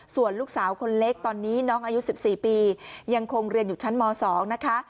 ส่วนลูกสาวคนเล็กตอนนี้น้องอายุ๑๔ปียังคงเรียนอยู่ชั้นม๒นะคะ